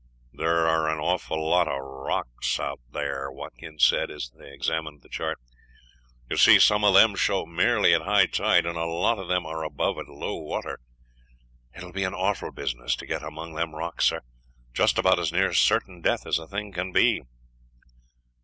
"They are an awful group of rocks," Watkins said, as they examined the chart; "you see some of them show merely at high tide, and a lot of them are above at low water. It will be an awful business to get among them rocks, sir, just about as near certain death as a thing can be."